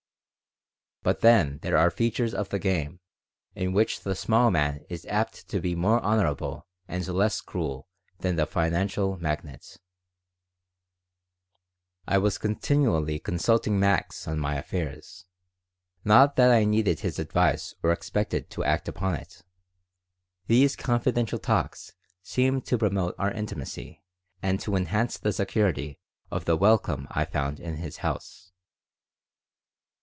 But then there are features of the game in which the small man is apt to be more honorable and less cruel than the financial magnate I was continually consulting Max on my affairs. Not that I needed his advice or expected to act upon it. These confidential talks seemed to promote our intimacy and to enhance the security of the welcome I found in his house.